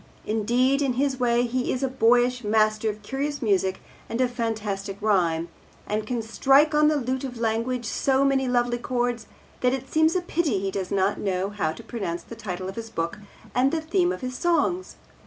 Indeed, in his way he is a boyish master of curious music and of fantastic rhyme, and can strike on the lute of language so many lovely chords that it seems a pity he does not know how to pronounce the title of his book and the theme of his songs.